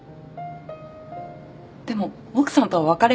でも奥さんとは別れるって